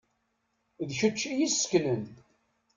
D kečč i y-isseknen.